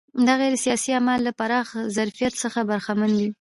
دا غیر سیاسي اعمال له پراخ ظرفیت څخه برخمن دي.